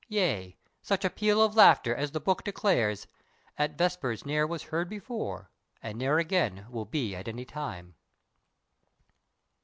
Yea, such a peal of laughter as the book Declares "at vespers ne'er was heard before," And ne'er again will be at any time.